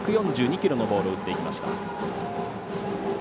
１４２キロのボールを打っていきました。